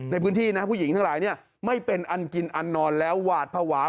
ในพื้นที่นะผู้หญิงทั้งหลายไม่เป็นอันกินอันนอนแล้วหวาดภาวะ